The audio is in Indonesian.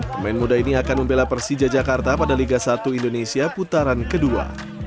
pemain muda ini akan membela persija jakarta pada liga satu indonesia putaran kedua